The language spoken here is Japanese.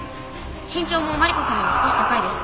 身長もマリコさんより少し高いです。